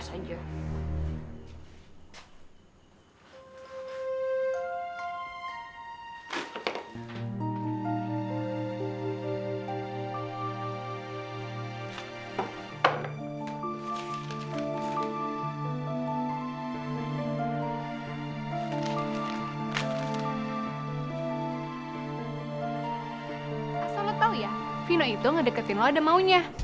asal lo tau ya vino itu ngedeketin lo dan maunya